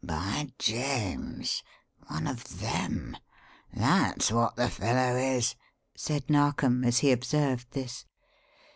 "By James! one of them that's what the fellow is!" said Narkom, as he observed this.